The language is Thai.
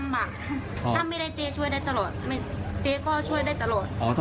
ลำบากอ๋อถ้าไม่ได้เจ๊ช่วยได้ตลอดไม่เจ๊ก็ช่วยได้ตลอด